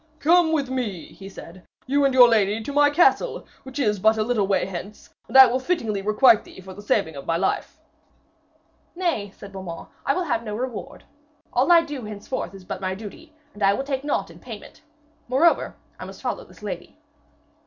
'Come with me,' he said, 'you and your lady, to my castle, which is but a little way hence, and I will fittingly requite thee for the saving of my life.' 'Nay,' said Beaumains, 'I will have no reward. All I do henceforth is but my duty, and I will take naught in payment. Moreover, I must follow this lady.'